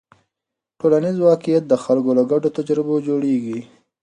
ټولنیز واقیعت د خلکو له ګډو تجربو جوړېږي.